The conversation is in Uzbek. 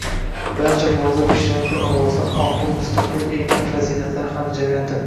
barcha fozil kishilar bir ovozdan «oqil, mustaqil, erkin shaxsiyatlar hamjamiyati»